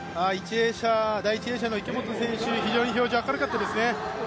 第１泳者の池本選手、非常に表情明るかったですね。